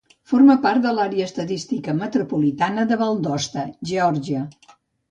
Forma part de l'àrea estadística metropolitana de Valdosta, Georgia.